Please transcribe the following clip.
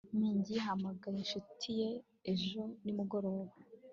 ming yahamagaye inshuti ye ejo nimugoroba